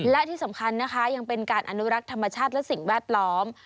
และที่สำคัญนะคะยังเป็นการอนุรักษ์ธรรมชาติและสิ่งแวดล้อม